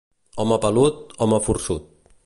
Home pelut, home forçut.